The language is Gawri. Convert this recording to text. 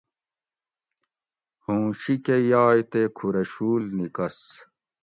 ھوں شیکہ یائ تے کھورہ شول نکس